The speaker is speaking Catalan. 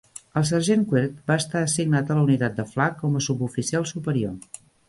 El sergent Quirt ha estat assignat a la unitat de Flagg com a suboficial superior.